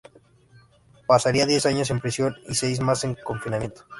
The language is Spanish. Pasaría diez años en prisión, y seis más en confinamiento.